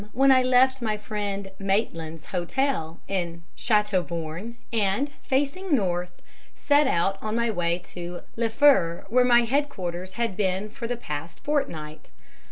when I left my friend Maitland's hotel in Châteauborne, and, facing north, set out on my way to Liffre, where my headquarters had been for the past fortnight.